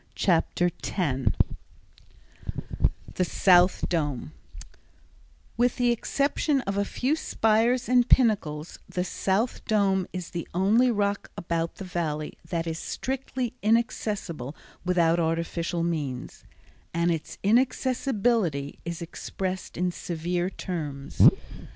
Chapter 10 The South Dome With the exception of a few spires and pinnacles, the South Dome is the only rock about the Valley that is strictly inaccessible without artificial means, and its inaccessibility is expressed in severe terms.